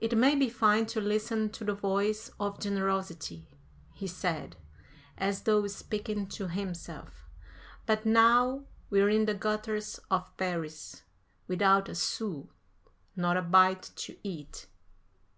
"It may be fine to listen to the voice of generosity," he said, as though speaking to himself, "but now we're in the gutters of Paris, without a sou; not a bite to eat....